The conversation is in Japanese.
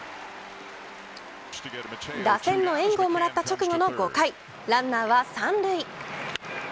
打線の援護をもらった直後の５回ランナーは３塁。